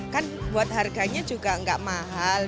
kan buat harganya juga nggak mahal